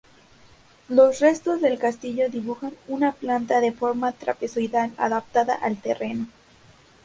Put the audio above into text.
Los restos del castillo dibujan una planta de forma trapezoidal adaptada al terreno.